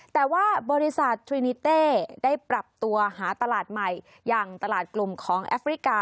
แต่ว่าบริษัททรินิเต้ได้ปรับตัวหาตลาดใหม่อย่างตลาดกลุ่มของแอฟริกา